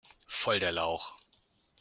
Voll der Lauch!